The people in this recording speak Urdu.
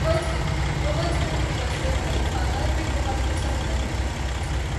بہت خوب مبشر بھائی کھانا بھی بہت اچھا بناتے ہیں